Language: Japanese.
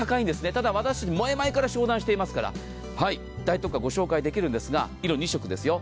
ただ私ども、前々から商談しておりますから大特価御紹介できるんですが、２色ですよ。